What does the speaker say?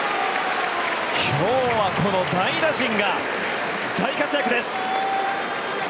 今日は、この代打陣が大活躍です。